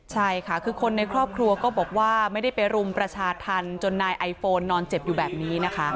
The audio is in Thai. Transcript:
ใช่ค่ะคือคนในครอบครัวก็บอกว่าไม่ได้ไปรุมประชาธรรมจนนายไอโฟนนอนเจ็บอยู่แบบนี้นะคะ